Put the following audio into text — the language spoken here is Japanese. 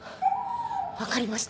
わかりました。